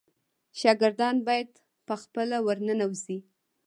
شاګردان باید په خپله ورننوزي.